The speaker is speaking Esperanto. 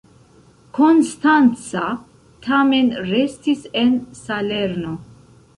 Konstanca tamen restis en Salerno.